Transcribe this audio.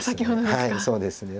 はいそうですね。